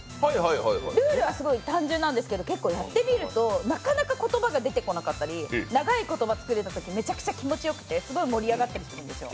ルールはすごい単純なんですけど、結構やってみるとなかなか言葉が出てこなかったり、長い言葉が作れるとめちゃくちゃ気持ちよくて、すごい盛り上がったりするんですよ。